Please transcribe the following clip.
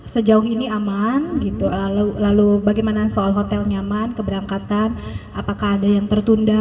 sejauh ini aman lalu bagaimana soal hotel nyaman keberangkatan apakah ada yang tertunda